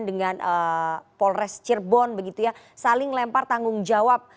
dengan polres cirebon saling lempar tanggung jawab